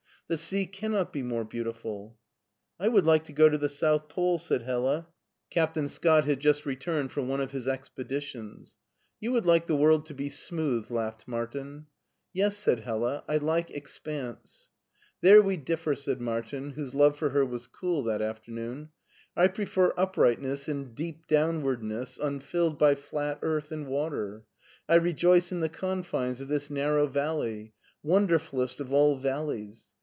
"The sea cannot be more beautiful." " I would like to go to the South Pole," said HeUa. 154 MARTIN SCHULER Captain Scott had just returned from one of his expeditions^ '" You would like the world to be smooth/' laughed Martin. " Yes," said Hdla, " I like expanse. "There we differ," said Martin, whose love for her was cool that afternoon. " I prefer uprightness and deep downwardness unfilled by flat earth and water. I rejoice in the confines of this narrow valley. Wonderf ullest of all valleys